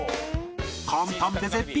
簡単で絶品！